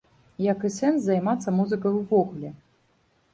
Як і сэнс займацца музыкай увогуле.